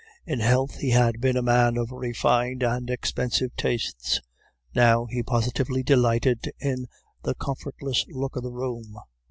In health he had been a man of refined and expensive tastes, now he positively delighted in the comfortless look of the room.